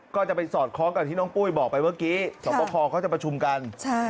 ก็จะไปสอดคล้องกับที่น้องปุ้ยบอกไปเมื่อกี้สวบคอเขาจะประชุมกัน